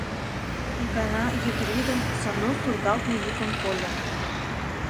Икана йӱдрӱдым Сану сургалтме йӱкым кольо.